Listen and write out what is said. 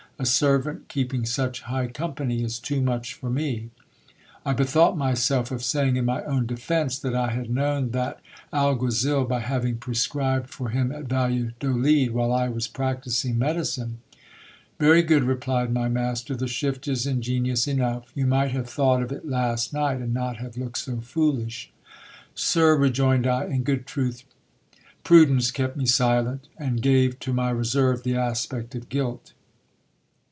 A servant keeping such high company is too much for me. I bethought myself of saying, in my own defence, that I had known that alguazil, by having prescribed for him at Valladolid, while I was practising medicine. Very good, replied my master, the shift is ingenious enough ; you might have thought of it last night, GIL BIAS ENTERS THE SERVICE OF A BEAU. 83 and not have looked so foolish. Sir, rejoined I, in good truth prudence kept me silent, and gave to my reserve the aspect of guilt.